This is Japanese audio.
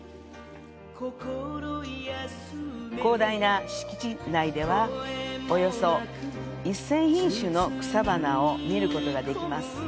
広大な敷地内では、およそ１０００品種の草花を見ることができます。